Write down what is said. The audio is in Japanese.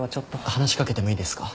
話し掛けてもいいですか？